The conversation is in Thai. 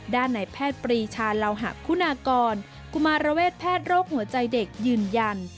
ด้านในแพทย์ปรีชาเหล่าหะคุณากรกุมารเวศแพทย์โรคหัวใจเด็กยืนยัน